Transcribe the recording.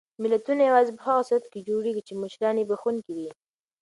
ملتونه یوازې په هغه صورت کې جوړېږي چې مشران یې بښونکي وي.